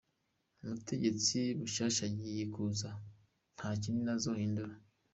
Umutegetsi mushasha agiye kuza nta kinini azohindura.